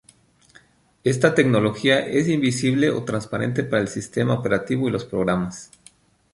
Esta tecnología es invisible o transparente para el sistema operativo y los programas.